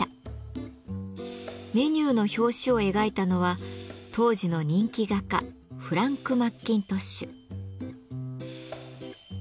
メニューの表紙を描いたのは当時の人気画家フランク・マッキントッシュ。